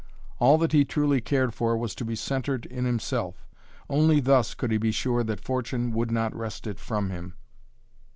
All that he truly cared for was to be centered in himself. Only thus could he be sure that Fortune would not wrest it from him.